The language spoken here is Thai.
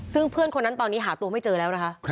ซึ่งเพื่อนคนนั้นตอนนี้หาตัวไม่เจอแล้วนะคะ